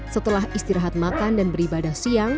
setelah istirahat makan dan beribadah siang